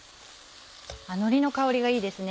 のりの香りがいいですね。